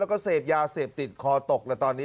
แล้วก็เสพยาเสพติดคอตกแล้วตอนนี้